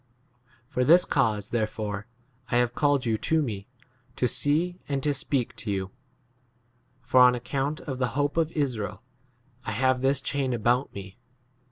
For this cause there fore I have called you to [me] to see and to speak to you ; for on account of the hope of Israel I 21 have this chain about me.